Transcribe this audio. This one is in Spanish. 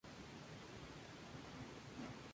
Las heladas son frecuentes.